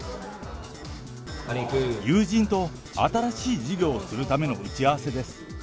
友人と新しい事業をするための打ち合わせです。